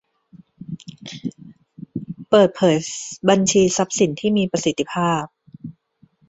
เปิดเผยบัญชีทรัพย์สินที่มีประสิทธิภาพ